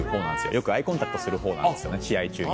よくアイコンタクトする方なんですよね試合中に。